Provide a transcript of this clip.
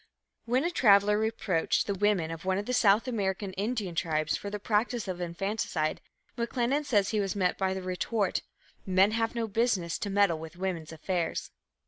When a traveller reproached the women of one of the South American Indian tribes for the practice of infanticide, McLennan says he was met by the retort, "Men have no business to meddle with women's affairs."